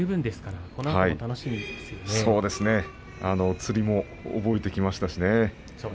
つりも覚えてきましたしね。